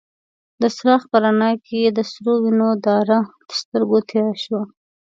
د څراغ په رڼا کې يې د سرو وينو داره تر سترګو تېره شوه.